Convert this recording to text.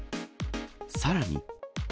さらに。